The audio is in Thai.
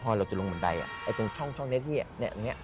พอเราจะลงบันไดตรงช่องนี้เอี๊ยะ